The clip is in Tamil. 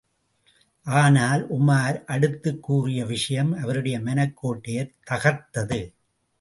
ஆனால், உமார் அடுத்துக் கூறிய விஷயம் அவருடைய மனக்கோட்டையைத் தகர்த்தது.